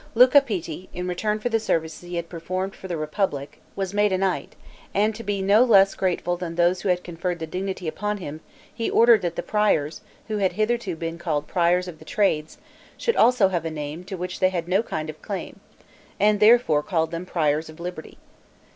Luca Pitti, in return for the services he had performed for the republic, as made a knight, and to be no less grateful than those who had conferred the dignity upon him, he ordered that the priors, who had hitherto been called priors of the trades, should also have a name to which they had no kind of claim, and therefore called them priors of liberty.